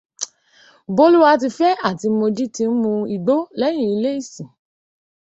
Bólúwatifẹ́ àti Mojí ti ń mu igbó lẹ́yìn ilé ìsìn